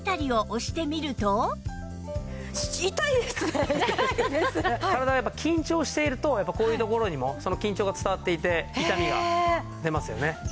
体がやっぱり緊張しているとこういうところにもその緊張が伝わっていて痛みが出ますよね。